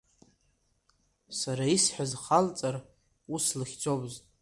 Сара исҳәаз халҵар ус лыхьӡомызт…